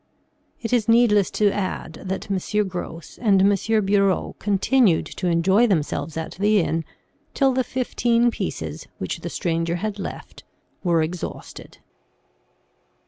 It is needless to add that M. Gros and M. Bureau continued to enjoy themselves at the inn till the fifteen pieces which the stranger had left, were exhausted."